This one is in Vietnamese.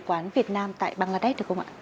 đại sứ quán việt nam tại bangladesh được không ạ